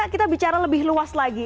kita bicara lebih luas lagi